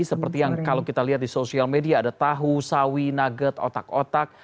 seperti yang kalau kita lihat di sosial media ada tahu sawi nugget otak otak